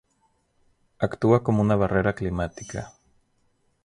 Actúa como una barrera climática.